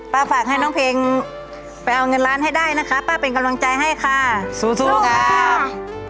ฝากให้น้องเพลงไปเอาเงินล้านให้ได้นะคะป้าเป็นกำลังใจให้ค่ะสู้ครับ